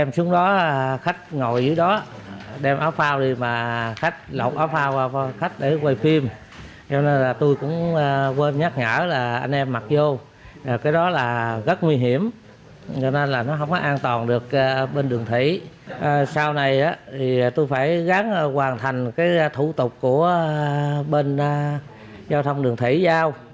thì tôi phải gắn hoàn thành cái thủ tục của bên giao thông đường thủy giao